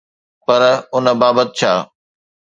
پر ان بابت ڇا؟